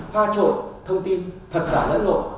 pha trộn thông tin thật giả lẫn lộ